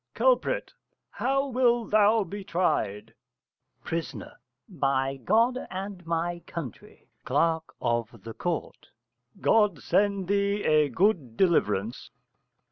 _ Culprit. How wilt thou be tried? Pris. By God and my country. Cl. of Ct. God send thee a good deliverance.